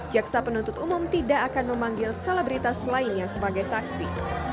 jaksa penuntut umum tidak akan memanggil selebritas lainnya sebagai saksi